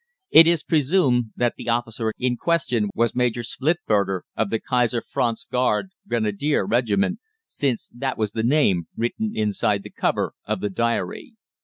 It is presumed that the officer in question was Major Splittberger, of the Kaiser Franz Garde Grenadier Regiment, since that was the name written inside the cover of the diary.